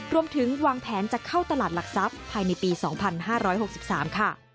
รวมถึงวางแผนจะเข้าตลาดหลักทรัพย์ภายในปี๒๕๖๓ค่ะ